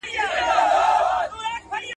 د ښوونځي په کتابتون کي ډېر ګټور کتابونه وو.